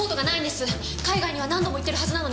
海外には何度も行ってるはずなのに。